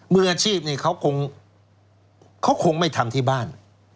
มืออาชีพนี่เขาคงไม่ทำที่บ้าน